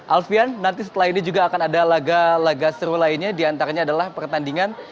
alfian nanti setelah ini juga akan ada laga laga seru lainnya diantaranya adalah pertandingan